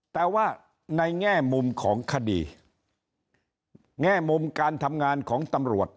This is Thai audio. แต่ว่าในแง่มุมของคดีแง่มุมการทำงานของตำรวจ